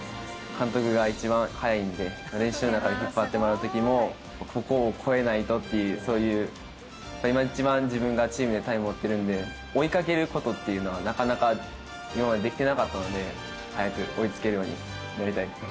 監督が一番速いんで、練習の中で引っ張ってもらうときも、ここを超えないとっていう、そういう今一番、自分がチームでタイムを持ってるんで、追いかけることっていうのはなかなか今までできてなかったので、早く追いつけるようになりたいですね。